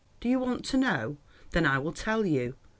"Do you want to know? Then I will tell you.